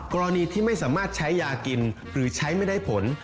กรณีที่ไม่สามารถใช้ยากินหรือใช้ไม่ได้ผล